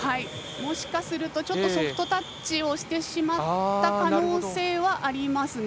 もしかするとソフトタッチしてしまった可能性はありますね。